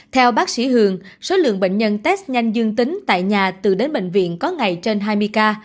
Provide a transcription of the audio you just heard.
theo bác sĩ hường số lượng bệnh nhân test nhanh dương tính tại nhà từ đến bệnh viện có ngày trên hai mươi ca